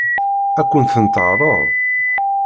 Ad kent-ten-teɛṛeḍ?